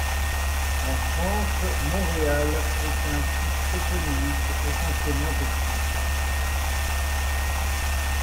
En France, Montréal est un type toponymique essentiellement occitan.